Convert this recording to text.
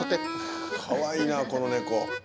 かわいいなこの猫。